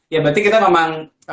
ya berarti kita memang